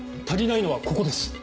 足りないのはここです。